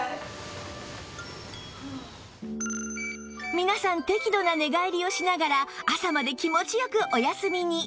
皆さん適度な寝返りをしながら朝まで気持ちよくお休みに